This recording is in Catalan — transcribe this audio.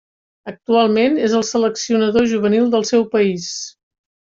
Actualment, és el seleccionador juvenil del seu país.